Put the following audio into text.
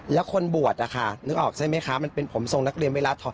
แล้วคนบวชนะคะนึกออกใช่ไหมคะมันเป็นผมทรงนักเรียนเวลาถอด